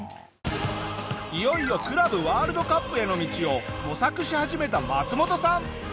いよいよクラブワールドカップへの道を模索し始めたマツモトさん。